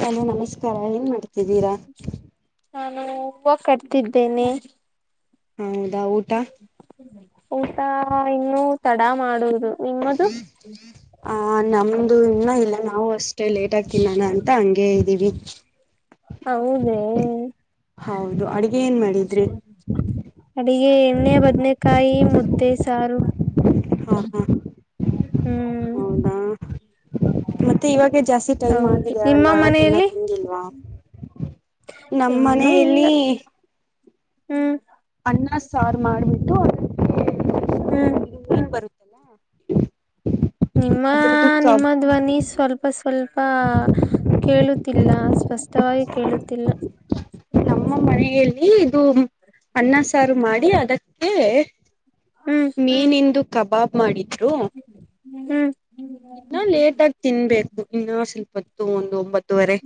ನಾನ ನಮಸ್ಕಾರ ಏನ್ ಮಾಡ್ತಿದ್ದೀರಾ ಹೂವ ಕಟ್ತಿದ್ದೇನೆ ಹೌದಾ ಊಟ ಊಟ ಇನ್ನುೂ ತಡ ಮಾಡುುದು ನಿಮ್ಮದು ಆ ನಮ್ದು ಇನ್ನೂ ಇಲ್ಲ ನಾವು ಅಷ್ಟೇ ಲೇಟ್ ಆಗ್ತೀನಾನ ಅಂತ ಹಂಗಗೆ ಇದ್ದೀವಿ ಹೌದ ಹೌದು ಅಡ್ಗೆ ಏನ್ ಮಾಡಿದ್ರಿ ಅಡಿಗೆ ಎಣ್ಣೆ ಬದ್ನಕಾಯಿ ಮುದ್ದೆ ಸಾರು ಹಾ ಹಾ ಹ್ಮ್ ಹೌದಾ ಮತ್ತೆ ಇವಾಗ ಗೆ ಜಾಸ್ತಿ ಟೈಮ್ ಹೌದು ಆಗಿದೆ ನಿಮ್ಮ ಅಲ್ಲ ತಿನ್ನ ಮನೆಯಲ್ಲಿ ತಿಿಂದಿಲ್ವಾ ನಮ್ಮ ಇನ್ನೂ ಇಲ್ಲ ಮನೆಯಲ್ಲಿ ಹ್ಮ್ ಅಣ್ಣ ಸಾರು ಮಾಡ್ಬಿಟ್ಟು ಹ್ಮ್ ಲ್ಲ ನಿಮ್ಮ ನಿಮ್ಮ ಧ್ವನಿ ಸ್ವಲ್ಪ ಸ್ವಲ್ಪ ಕೇಳುತ್ತಿಲ್ಲ ಸ್ಪಷ್ಟವಾಗಿ ಕೇಳುತ್ತಿಲ್ಲ ಹ್ಮ ನಮ್ಮ ಮನೆಯಲ್ಲಿ ಇದು ಅನ್ನ ಸಾರು ಮಾಡಿ ಅದಕ್ಕೆ ಹ್ಮ್ ಮೀನಂದು ಕಬಾಬ್ ಮಾಡಿದ್ರು ಹ್ಮ ಹ್ಮ್ ಇನ್ನ ಲೇಟಗಿ ತಿನ್ಬೇಕು ಇನ್ನ ಸ್ವಲ್ಪತ್ತು ಒಂದು ಒಂಬತ್ತುವರೆ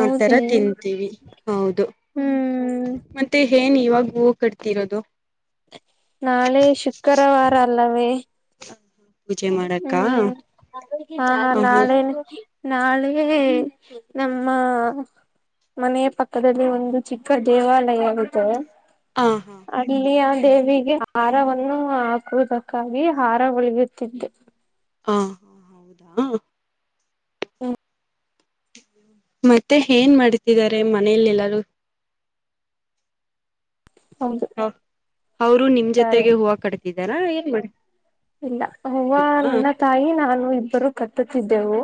ಆ ತರ ತಿಂತೀವಿ ಹೌದು ಹ್ಮ್ ಮತ್ತೆ ಏನ್ ಇವಾಗ ಹೂವು ಕಟ್ತಿರೋದು ನಾಳೆ ಶುಕ್ರವಾರ ಅಲ್ಲವೇ ಪೂಜೆ ಮಾಡಕ್ಕ ಹ್ಮ್ ಹ ಆಮೇ ನಾಳೆ ನಾಳೆಯ ನಮ್ಮ ಮನೆಯ ಪಕ್ಕದಲ್ಲಿ ಒಂದು ಚಿಕ್ಕ ದೇವಾಲಯ ಹ ಹಾ ಆಗೆ ಅಲ್ಲಿ ದೇವಿಗೆ ಹಹಾರವನ್ನು ಹಾಕುವುದಕ್ಕಾಗಿ ಹಾರ ಉಳಿಯುತ್ತಿದ್ದೆ ಹಾ ಹಾ ಹೌದಾ ಹ್ಮ ಮತ್ತೆ ಏನ್ ಮಾಡತಿದ್ದಾರೆ ಮನೆಯಲ್ಲಿ ಎಲ್ಲಾರು ಹೌದು ಹ ಅವರು ನಿಮ ತಾರೆ ಜೊತೆಗೆ ಹೂವು ಕಟ್ತಿದ್ದಾರಾ ಏನ್ ಮಾಡ ಇಲ್ಲ ಹ್ವ ಹೌದಾ ನನ್ನ ತಾಯಿ ನಾನು ಇಬ್ಬರು ಕಟ್ಟುತ್ತ ಿದ್ದೆವು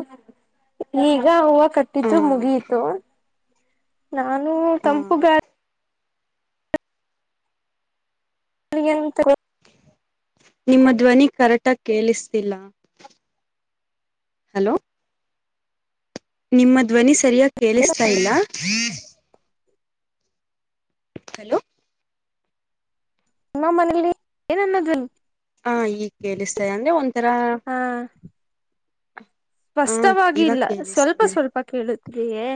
ಈಗ ಹೂವು ಹ ಕಟ್ಟಿದ್ದು ಮುಗಿಯಿತು ನಾನು ಹ ತಂಪುಗಾರ ಯನ್ ನಿಮ್ಮ ಧ್ವನಿ ಕರೆಟಾಗಿ ಕೇಳಿಸ್ತಿಲ್ಲ ಹಲೋ ನಿಮ್ಮ ಧ್ವನಿ ಸರಿಯಾಗಿ ಕೇಳಿಸ್ತಾ ಇಲ್ಲ ಹಲೋ ನಮ್ಮ ಮನೇಲಿ ಏನ ಅನ್ನೋದಲ್ಲಿ ಹಾ ಈಗ ಕೇಳಿಸ್ತದೆ ಅಂದ್ರೆ ಒಂಥರ ಹಾ ಸ್ಪಷ್ಟವಾಗಿ ಇಲ್ಲ ಸ್ವಲ್ಪ ಸ್ವಲ್ಪ ಕೇಳುದ್ರಯೇ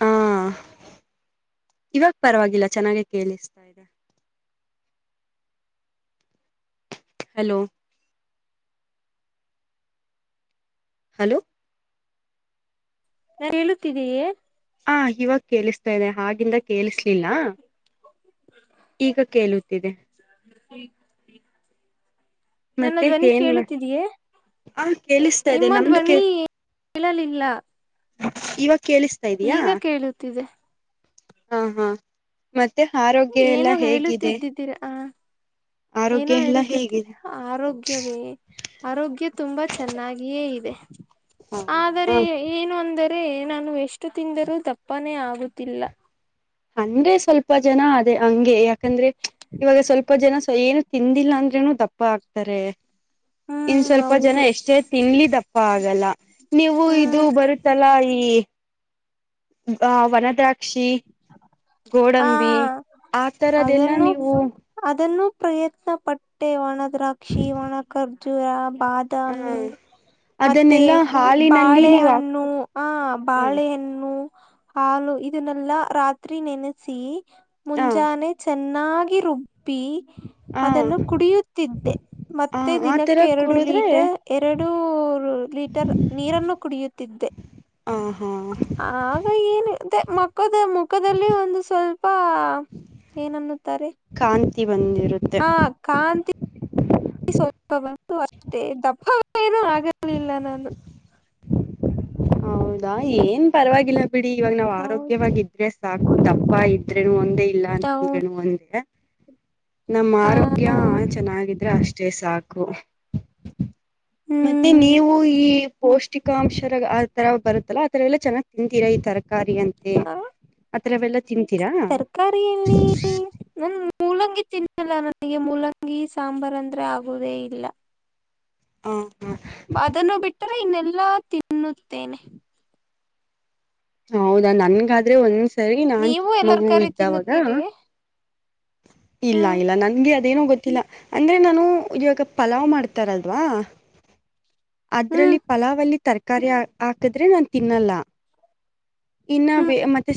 ಹಾ ಇವಾಗ ಪರವಾಗಿಲ್ಲ ಚೆನ್ನಾಗೆ ಕೇಳಿಸ್ತಾ ಇದೆ ಹಲೋ ಹಲೋ ನಾ ಹೇಳುತ್ತಿದ್ದೀಯೇ ಹಾ ಇವಾಗ ಕೇಳಿಸ್ತಾ ಇದೆ ಹಾಗಿಂದ ಕೇಳಿಸಲಿಲ್ಲ ಈಗ ಕೇಳುತ್ತಿದೆ. [inaudible] ನನ್ನ ಮತ್ತೆ ಧ್ವನಿ ಏನ್ ಮಾಡ ಕೇಳುತ್ತಿದೀಯೇ ಹ ಕೇಳಿಸ್ತಾ ಇದೆ ನಿಮ್ಮ ನಮ್ದು ಕೇ ಧ್ವನಿ. ಕೇಳಲಿಲ್ಲಾ. ಇವಾಗ ಕೇಳಿಸ್ತಾ ಇದಯಾ ಕೇಳುತ್ತಿದೆ ಹಾ ಹಾ ಮತ್ ಮತ್ತೆ ಆರೋಗ್ಯ ಎಲ್ಲ ಏನೋ ಹೇಗಿದೆ. ಹೇಳುತ್ತಿದ್ದಿದ್ದೀರಾ ಆ [inaudible] ಏನೋ ಹೇಳುತ್ತಿದ್ದೀರಿ ಹೇಗಿದೆ ಆರೋಗ್ಯವೇ ಆರೋಗ್ಯ ತುಂಬಾ ಚೆನ್ನಾಗಿಯೇ ಇದೆ. ಆದರೆ ಹೌದಾ ಏನು ಒಂದ ಆದೆ ನಾನು ಎಷ್ಟು ತಿಂದರೂ ದಪ್ಪಾನೇ ಆಗುತ್ತಿಲ್ಲ. ಹಂಗೆ ಸ್ವಲ್ಪ ಜನ ಅದದೆ ಹಂಗೆ ಯಾಕಂದ್ರೆ ಇವಾಗ ಸ್ವಲ್ಪ ಜನ ಸ ಏನು ತಿಂದಿಲ್ಲ ಅಂದ್ರೇನು ದಪ್ಪ ಆಗ್ತಾರೆ. ಹ್ಮ. ಇನ್ ಸ್ವಲ್ಪ ಜನ ಎಷ್ಟೇ ತಿನ್ಲಿ ದಪ್ಪ ಆಗಲ್ಲ ನೀವು ಇದು ಹ್ಮ್ ಬರುತ್ತಲ್ಲ ಈ ಆ ಒಣ ದ್ರಾ ಕ್ಷಿ ಆ ಗೋಡಂಬಿ ಆ ತರದೆಲ್ಲ ಅದನ್ನು ನೀವು. ಅದನ್ನು ಪ್ರಯತ್ನ ಪಟ್ಟೆ ಒಣ ದ್ರಾಕ್ಷಿ ಒಣ ಖರ್ಜೂರ ಹ ಬಾದಾಮಿ. ಮತ್ತೆ ಅದನ್ನೆಲ್ಲಾ ಹಾಲಿನಲ್ಲಿ ನೀವ್ ಹಾಕ್ ಬಾಳೆಹಣ್ಣು ಹ ಹ್ಮ್ ಬಾಳೆಹಣ್ಣು. ಹಾಲು ಇದನ್ನೆಲ್ಲಾ ರಾತ್ರಿ ನೆನೆಸಿ ಹ ಮುಂಜಾನೆ ಚೆನ್ನ ನಾಗಿ ರುಬ್ಬಿ ಹ ಅದನ್ನು ಕುಡಿಯುತ್ತಿದ್ದೆ. ಹ ಮತ್ತೆ ಆತರ ದಿನಕ್ಕೆ ಎರಡು ಕುಡುದ್ರೆ ಲೀಟರ್ ಎರಡುೂ ಲೀಟರ್ ನೀರನ್ನು ಕುಡಿಯುತ್ತಿದ್ದೆ. ಹ. ಹಾ ಆಗ ಏನು. ಮತ್ತೆ ಮಖದ ಮುಖದಲ್ಲಿ ಒಂದು ಸ್ವಲ್ಪ ಏನನ್ನುತ್ತಾರೆ. ಕಾಂತಿ ಬಂದಿರುತ್ತೆ. ಆ ಕಾಂತಿ ಸ್ವಲ್ಪ ಬಂತ ಅಷ್ಟೇ ದಪ್ಪಾ ಏನೂ ಆಗರ್ಲಿಲ್ಲ ನಾನು. ಹೌದಾ ಏನ್ ಪರವಾಗಿಲ್ಲ ಬಿಡಿ ಇವಾಗ ನಾವ್ ಹೌದು ಆರೋಗ್ಯವಾಗಿದ್ರೆ ಸಾಕ. ತರಕಾರಿ ಇದ್ರೇನು ಒಂದೇ ಇಲ್ಲ ಹೌದು ಅಂತಂದ್ರೇನು ಒಂದೇ. ನಮ್ಮ ಆರೋಗ್ಯ ಹ. ಚೆನ್ನಾಗಿದ್ರೆ ಅಷ್ಟೆ ಸಾಕು. ಮತ್ತೆ ಹ್ಮ್ ನೀವು ಈ ಪೌಷ್ಟಿಕಾಂಶರ ತರ ಬರುತ್ತಲ್ಲ ಅದರ ಎಲ್ಲ ಚೆನ್ನ್ ತಿಂತೀರಾ ತರ. ತರಕಾರಿ ಅಂತೆ ಆ ಆತರವೆಲ್ಲಾ ತಿಂತೀರಾ. ತರಕಾರಿಯಲ್ಲಿ ನನ್ ಮೂಲಂಗಿ ತಿನ್ನಲ್ಲ ನನಗೆ ಮೂಲಂಗಿ ಸಾಂಬಾರ ಅಂದ್ರೆ ಆಗೋದೇ ಇಲ್ಲ. ಹ. ಅದನ್ನು ಬಿಟ್ಟರೆ ಇನ್ನೆಲ್ಲಾ ತಿನ್ನುತ್ತೇನೆ. ಹೌದಾ ನನ್ಗಾದ್ರೆ ಒಂದ್ಸರಿ ನಾನ್ ನೀವು ಚಿಕ್ಕ ಎಲ್ಲರ ಮಗು ಕರಿ ಇದ್ದಾವಾಗ. ತಿನ್ನುತ್ತೀರಿ ಇಲ್ಲ ಹ್ಮ್ ಇಲ್ಲ ನನ್ಗೆ ಅದೇನೋ ಗೊತ್ತಿಲ್ಲ ಅಂದ್ರೆ ನಾನು ಇವಾಗ ಪಲಾವ್ ಮಾಡ್ತಾರಲ್ ಅಲ್ವಾ ಅದ್ರಲ್ಲಿ ಹ್ಮ್ ಪಲಾವಲ್ಲಿ ತರ್ಕಾರಿ. ತರಕಾರಿ ಹಾಕದ್ರೆ ನಾನ್ ತಿನ್ನಲ್ಲ. ಇನ್ನ ಹ್ಮ್ ಬ ಮತ್ತೆ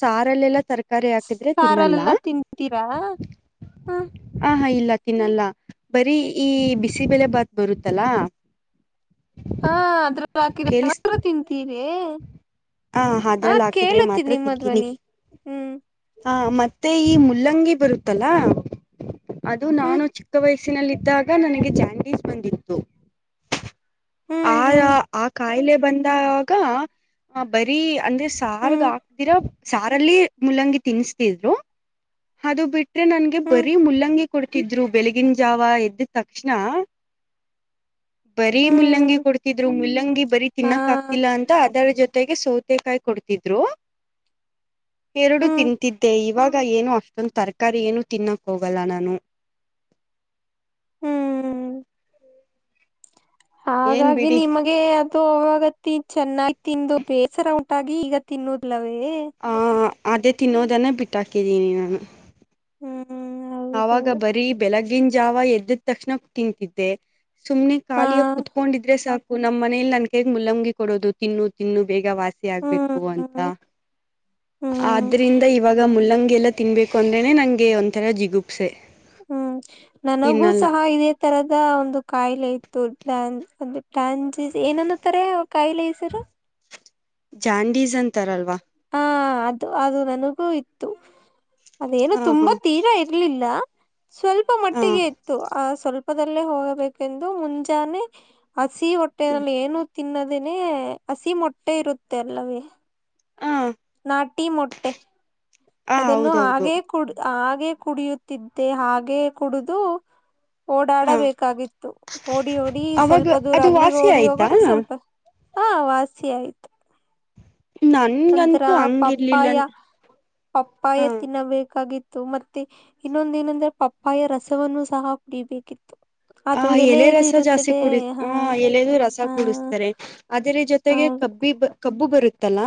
ಸಾರಲ್ಲೆಲ್ಲಾ ತರಕ ಕಾರಿ ಹಾಕಿದ್ರೆ ತಿನ್ನಲ್ಲ ಸಾರಲ್ಲೆಲ್ಲಾ ತಿಂತೀರಾ ಹ ಹ ಹಾ ಇಲ್ಲ. ತಿನಲ್ಲ ಬರೀ ಈ ಬಿಸಿಬೆಳೆ ಬಾತ್ ಬರುತ್ತಲಾ. ಹಾ ಅದ್ರಲ್ಲ ಹಾಕಿರ ಮಾತ್ರ ತಿಂತೀನಿ. ಎ ಹ ಹಾ ಅದ್ರಲ್ಲಿ ಹಾಕಿದ್ರೆ ಕೇಳುತ್ತೆ ಮಾತ್ರ ನಿಮ್ಮಧ್ವನಿ ಹ್ಮ್. ಹ ಮತ್ತೆ ಈ ಮುಲ್ಲಂಗಿ ಬರುತ್ತಲ್ಲಾ ಅದು ನಾನು ಹ್ಮ್ ಚಿಕ್ಕ ವಯಸ್ಸ ನಲ್ಲಿದಾಗ ನನಗೆ ಚಾಂಡೀಸ್ ಬಂದಿತ್ತು. ಹ್ಮ್ ಆಯ ಹ್ಮ್ ಆ ಕಾಯಿಲೆ ಬಂದಾಗ ಬರೀ. ಅಂದ್ರೆ ಸಾರ್ಗ್ ಹ್ಮ್ ಹಾಕ್ದಿರ ಸಾರಲ್ಲಿ ಮುಲ್ಲಂಗಿ ತಿನ್ಸತಿದ್ರು ಅದು ಬಿಟ ಬಿಟ್ರೆ ನನ್ಗೆ ಹ್ಮ್ ಬರೀ ಮುಲ್ಲಂಗಿ ಕೊಡ್ತಿದ್ರು ಬೆಳಗಿನ ಜಾವ ಎದ್ದಿದ ತಕ್ಷಣ. ಬರೀ ಹ್ಮ್ ಮುಲ್ಲಂಗಿ ಹ್ಮ್ ಕೊಡ್ತಿದ್ರು ಮುಲ್ಲಂಗಿ ಬರಿ ಹಾ ತಿನ್ನಕ್ ಆಗ್ತಿಲ್ಲ ಅಂತ ಅದರ [unintelligible] ಜೊತೆಗೆ ಸೌತೆಕಾಯಿ ಕೊಡ್ತಿದ್ರು ಎರಡು ಹ್ಮ್ ತಿಂತಿದ್ದೆ ಇವಾ [unintelligible] ಈಗ ಏನು ಅಷ್ಟೊಂದು ತರಕಾರಿ ಏನು ತಿನ್ನಕ್ಕ ಹೋಗಲ್ಲ ನಾನು ಹ್ಮ್ ಏನ್ ಹಾಗಾಗಿ ಬಿಡಿ ನಿಮಗೆ ಅವಾಗ [unintelligible] ಚೆನ್ನಾಗಿ ತಿಂದು ಬೇಸರ ಉಂಟಾಗಿ ಈಗ ತಿನ್ನುದ್ಲವೇ ಆ ಅದೇ ತಿನ್ನೋದನ್ನ ಬಿಟ್ಟಾಕಿದೀನಿ ನಾನು ಹ್ಮ್ ಹೌದು ಆವಾಗ ಬರೀ ಬೆಳಗಿನ ಜಾವ ಎದ್ದ ತಕ್ಷಣ ತಿಂತಿದ್ದೆ ಸುಮ್ನೆ ಹ ಖಾಲಿಯ ಕುತ್ಕೊಂಡಿದ್ರೆ [unintelligible] [unintelligible] ನಮ್ಮ ಮನೆಲಿ ನನ್ಗೆ ಮುಲ್ಲಂಗಿ ಕೊಡೋದು ತಿನ್ನು ತಿನ್ನು ಬೇಗ ವಾಸಿ ಹ್ಮ್ ಆಗ್ಬೇಕು ಅಂತ ಹ್ಮ್ ಆದ್ರಿಂದ ಇವಾಗ ಮುಲ್ಲಂಗೆಲ್ಲ ತಿನ್ಬೇಕು ಅಂದ್ರೆನೆ ನಂಗೆ ಒಂಥರ ಜಿಗು [unintelligible] ಹ್ಮ್ ನನಗೂ ತಿನ್ನಲ್ಲ ಸಹ ಇದೇ ತರದ ಒಂದು ಕಾಯಿಲೆ ಇತ್ತು [unintelligible] [unintelligible] ಏನನ್ನೂತಾರೆ ಕಾಯಿಲೆ ಹೆಸರು ಜಾಂಡೀಸ್ ಅಂತಾರಲ್ವಾ ಹಾ ಅದು ಅದು ನನಗೂ ಇತ್ತು ಅದೇನು ಹ ಹಾ ತುಂಬಾ ತೀರಾ ಇರ್ಲಿಲ್ಲ ಸ್ವಲ್ಪ ಹ ಮಟ್ಟಿಗೆ ಇತ್ತು ಆ ಸ್ವಲ್ [unintelligible] [unintelligible] ದಲ್ಲೇ ಹೋಗಬೇಕೆಂದು ಮುಂಜಾನೆ ಹಸಿ ಹ್ಮ್ ಹೊಟ್ಟೆೆಯಲ್ಲಿ ಏನು [unintelligible] ತಿನ್ನದೇನೆ ಹಸಿ ಮೊಟ್ಟೆ ಇರುತ್ತೆ ಅಲ್ಲವೇ ಹ ನಾಟಿ ಮೊಟ್ಟೆ ಹ ಅದನ್ನು ಹೌದೌದು ಹಾಗೆ ಕಡ್ದ್ ಆಗೆ ಹಾಗೆ ಕುಡಿಯುತ್ತಿದ್ದೆ ಹಾಗೆ ಕುಡುದು ಹಾ ಓಡಾಡಬೇಕಾಗಿತ್ತು ಓಡಿ ಓಡಿ ಅವಾಗ ಸ್ವಲ್ಪ ದೂರ ಅದು ಅಲ್ಲಿಗೆ ವಾಸಿ ಓಡಿ ಆಯ್ತಾ ಹೋಗದು ಸ್ವಲ್ಪ ಹಾ ವಾಸಿ ಆಯ್ತು ನಂತರ ನನ್ಗಂತೂ ಹಂಗಿರ್ಲಿಲ್ಲ ಪಪ್ಪಾಯ ಪಪ್ಪಾಯ ಹ ತಿನ್ನಬೇಕಾಗಿತ್ [unintelligible] ಮತ್ತೆ ಇನ್ನೊಂದ ಏನಂದ್ರೆ ಪಪ್ಪಾಯ ರಸವನ್ನು ಸಹ ಕುಡಿಬೇಕಿತ್ ಆ ಎಲೆ ರಸ ಜಾಸ್ತಿ ಕುಡ್ ಹಾ [unintelligible] ಎಲೆದು ರಸ ಹಾ ಕುೂಡಿಸ್ತಾರೆ ಅದ್ರ ಜೊತೆಗೆ ಹೌದು [unintelligible] ಕಬ್ಬು ಬರುತ್ [unintelligible]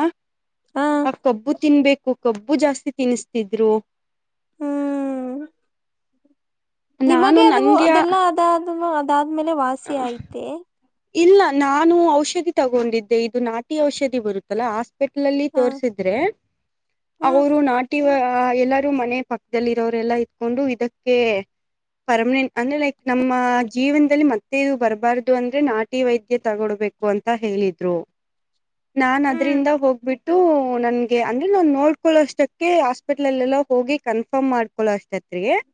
ಹ ಆ ಕಬ್ಬು ತಿನ್ಬೇಕು ಕಬ್ಬು ಜಾಸ್ತಿ ತಿನ್ನಿಸ್ತಿದ್ರು ಹ್ಮ್ ನಾನು ನಿಮಗೆ ಅದು ನನ್ಗೆ ಅದೆಲ್ಲಾ [unintelligible] ಅದಾದ್ಮೇಲೆ ವಾಸಿ ಆಯಿತೆ ಇಲ್ಲ ನಾನು ಔಷಧಿ ತಗೊಂಡಿದ್ದೆ ಇದು ನಾಟಿ ಔಷಧಿ ಬರುತ್ತಲ್ಲಾ [unintelligible] [unintelligible] ಹ ತೋರಿಸಿದ್ರೆ ಹ್ಮ್ ಅವರು ನಾ [unintelligible] [unintelligible] ಎಲ್ಲಾರೂ ಮನೆ ಪಕ್ಕದಲ್ಲಿ ಇರೋರೆಲ್ಲ ಇಕೊಂಡು ಇದಕ್ಕೆ ಪರ್ಮನೆಂಟ್ [unintelligible] ಅಂದ್ರೆ ಲೈಕ್ ನಮ್ಮ ಜೀವನದಲ್ಲಿ [unintelligible] [unintelligible] ಬರಬಾರ್ದು ಅಂದ್ರೆ ನಾಟಿ ವೈದ್ಯ ತಗೊಡ್ಬೇಕು ಅಂತ ಹೇಳಿದ್ರು ನಾನ್ ಹ್ಮ್ ಅದ್ರಿಂದ ಹೋಗ್ಬಿಟ್ [unintelligible] ನನ್ಗೆ ಅಂದ್ರೆ ನಾನ್ ನೋಡ್ಕೊಳ್ಳೋ ಅಷ್ಟಕ್ಕೆ ಹಾಸ್ಪಿಟ್ಲಲ್ಲೆಲ್ಲ ಹೋಗಿ ಕನ್ಫರ್ಮ್ ಮಾಡ್ಕೊೊಳ್ಳೋ [unintelligible]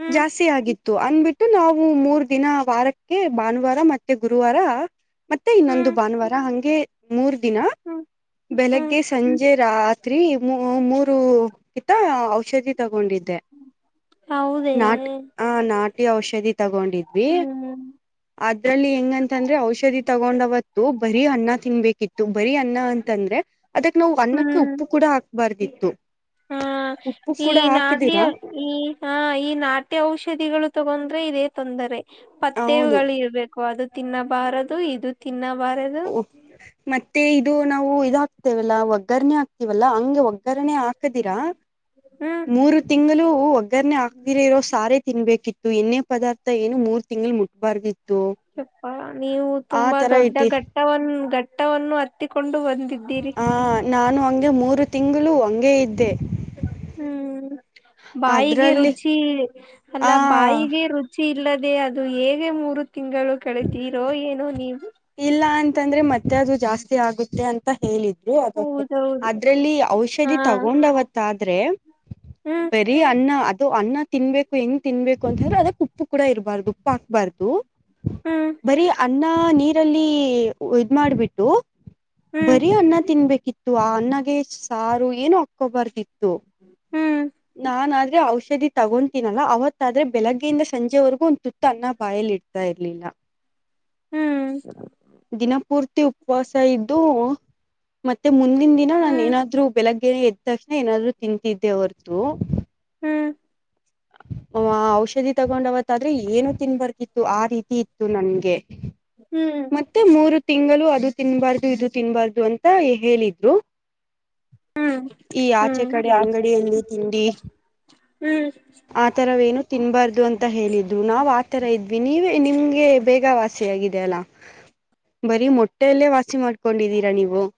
ಹ್ಮ್ ಜಾಸ್ತಿ ಆಗಿತ್ತು ಅಂದ್ಬಿಟ್ಟು ನಾವು ಮೂರ್ ದಿನ ವಾರಕ್ [unintelligible] ಭಾನುವಾರ ಮತ್ತೆ ಗುರುವಾರ ಮತ್ತೆ ಇನ್ನೊಂದು ಹ್ಮ್ ಭಾನುವಾರ ಹಂಗೆ ಮೂರ್ ದಿನ ಹ್ಮ್ ಹ್ಮ್ ಬೆಳಗ್ಗೆ ಸಂಜೆ ರಾತ್ರಿ ಮೂರು ಇತ್ತ ಔಷಧಿ [unintelligible] ತಗೊಂಡಿದ್ದೆ ಹೌದೇ ನಾಟ್ ಆ ನಾಟಿ ಔಷಧಿ ತಗೊಂಡಿದ್ವಿ ಹ್ಮ್ ಅದ್ರಲ್ಲಿ ಹೆಂಗಂತಂದ್ರೆ ಔಷಧಿ ತಗೊಂಡವತ್ತು [unintelligible] ಬರಿ ಅನ್ನ ತಿನ್ಬೇಕಿತ್ತು ಬರೀ ಅನ್ನ ಅಂತ ಅಂದ್ರೆ ಅದಕ್ ನಾವು ಅನ್ನಕ್ಕೆ ಹ್ಮ್ ಉಪ್ಪು ಕೂಡ [unintelligible] ಬರ್ದಿತ್ತು ಹಾ ಈ ನಾಟಿ ಈ ಹ ಈ ನಾಟಿ ಔಷಧಿಗಳು [unintelligible] [unintelligible] ತೊಂದರೆ ಹೌದು ಪತೇವುಗಳು ಇರ್ಬೇಕು ಅದು ತಿನ್ನಬಾರದು ಇದು ತಿನ್ನ [unintelligible] ಓ [unintelligible] [unintelligible] ಇದು ನಾವು ಇದ ಹಾಕ್ತೇವಲ್ಲಾ ಒಗ್ಗರಣೆ ಹಾಕ್ತಿವಲ್ಲಾ ಹಂಗೆ ಒಗ್ಗರಣೆ ಹಾಕದಿರಾ ಹ್ಮ್ ಮೂರು ತಿಂಗಳು ಒಗ್ಗರಣನೆೆ ಹಕ್ದಿರ ಇರೋ ಸಾರೆ ತಿನ್ಬೇಕಿತ್ ಎಣ್ಣೆ ಪದಾರ್ಥ ಏನು ಮೂರ್ ತಿಂಗಳು ಮುಟ್ಬಾರ್ದಿತ್ ಯಪ್ಪಾ ನೀವು ತುಂಬಾ ತರ ದೊಡ್ಡ ಇಟ್ಟಿ ಘಟ್ಟವನ್ ಘಟ್ಟವನ್ನು ಹತ್ತಿಕೊಂಡು ಬಂದಿದ್ದೀರಿ ಆ ನಾನು ಹಗೆ ಮೂರು ತಿಂಗಳು ಹಂಗೇ ಇದ್ದೆ ಹ್ಮ್ ಬಾಯಿಗೆ ಅದ್ರಲ್ಲಿ ರುಚಿ ಅಲ್ಲ ಆ ಬಾಯಿಗೆ ರುಚಿ ಇಲ್ಲದೆ ಅದು ಹೇಗೆ ಮೂರು ತಿಂಗಳು ಕಳಿತೀರೋ ಏನೋ ನೀವು ಇಲ್ಲ ಅಂತಂದ್ರೆ ಮತ್ತೆ ಅದು ಜಾಸ್ತಿ ಆಗುತ್ತೆ ಅಂತ ಹೇಳಿದು ಅದ ಹೌದೌದು ಅದ್ರಲ್ಲಿ ಹಾ ಔಷಧಿ ತಗೊಂಡವತ್ತ ಆದ್ರೆ ಹ್ಮ್ ಬರೀ ಅನ್ನ ಅದು ಅನ್ನ ತಿನ್ಬೇಕು ಹೆಂಗ್ ತಿನ್ಬೇಕು ಅಂತಂದ್ರೆ ಅದಕ್ ಉಪ್ಪು ಕೂಡ ಇರ್ಾರ್ದು ಉಪ್ಪು ಹಾಕ್ಬಾರ್ದು ಹ್ಮ್ ಬರೀ ಅನ್ನ ನೀರಲ್ಲಿ ಇದ್ ಮಾಡಾಬಿಟ್ಟು ಹ್ಮ್ ಬರೀ ಅನ್ನ ತಿನ್ಬೇಕಿತ್ತು ಆ ಅನ್ನಗೆ ಸಾರು ಏನು ಹಕ್ಕೋಬಾರ್ದಿತ್ ಹ್ಮ್ ನಾನ್ ಅ ಔಷಧಿ ತಗೊತೀನಲ್ಲ ಅವತ್ತಾದ್ರೆ ಬೆಳಗ್ಗೆಯಿಂದ ಸಂಜೆವರೆಗೂ ಒಂದು ತುತ್ತ ಅನ್ನ ಬಾಯಲ್ಲಿ ಇಡ್ತಾ ಇರ್ಲಿಲ್ಲ [unintelligible] ಹ್ಮ್ ದಿನಪೂರ್ತಿ ಉಪವಾಸ ಇದ್ದು ಮತ್ತೆ ಮತ್ತೆ ಮುಂದಿನ ದಿನ ನಾನು ಹ್ಮ್ ಏನಾದ್ರು ಬೆಳಗ್ಗೆ ಎದ್ದ ತಕ್ಷಣ ಏನಾದ್ರು ತಿಂತಿದ್ದೆ ಹೊರತು ಹ್ಮ್ ಆ ಔಷಧಿ ತಗೊಂಡವತ್ತ ಆದ್ರೆ ಏನು ತಿನ್ಬರ್ಕಿತ್ತು ಆ ರೀತಿ ಇತ್ತು ನನ್ಗೆ ಹ್ಮ್ ಮತ್ತೆ ಮೂರು ತಿಂಗಳು ಅದು ತಿನ್ಬಾರ್ದು ಇದು ತಿನ್ಬಾರ್ದು ಅಂತ ಹೇಳಿದ್ರು ಹ್ಮ್ ಈ ಆಚೆ ಹ್ಮ್ ಕಡೆ ಅಂಗಡಿಯಲ್ಲಿ ತಿಂಡಿ ಹ್ಮ್ ಆ ತರವೇನು ತಿನ್ಬಾರ್ದು ಅಂತ ಹೇಳಿದ್ರು ನಾವ್ ಆತರ ಇದ್ವಿ ನೀವೇ ನಿಮ್ಗೆ ಬೇಗ ವಾಸಿಯಾಗಿದ್ ಲ್ಲ ಬರಿೀ ಮೊಟ್ಟೆಯಲ್ಲೇ ವಾಸಿ ಮಾಡ್ಕೊಂಡಿದ್ದೀರಾ ನೀವು [inaudible]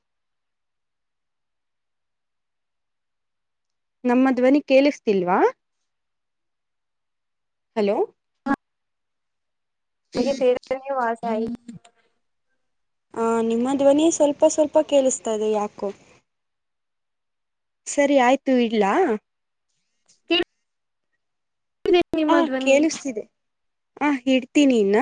ನಮ್ಮ ಧ್ವನಿ ಕೇಳಿಸ್ತಿಲ್ವಾ ಹಲೋ ಮಗೆ ಬೇರೆವಾಸ ಆಯ [unintelligible] ಹ ನಿಮ್ಮ ಧ್ವನಿ ಸ್ವಲ್ಪ ಸ್ವಲ್ಪ ಕೇಳಿಸ್ತದೆ ಯಾಕೋ ಸರಿ ಆಯ್ತು ಇಡ್ಲಾ ಹ ಹ ಕೇಳಿಸ್ತಿದೆ ಆ ಇಡ್ತೀನಿ ಇನ್ನ